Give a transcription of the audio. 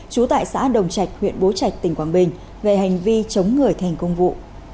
trú tại xã đồng trạch huyện bố trạch tỉnh quảng bình về hành vi chống người thành công vụ